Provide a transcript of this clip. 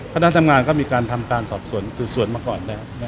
ข้างด้านทำงานก็มีการทำการสืบสวนมาก่อน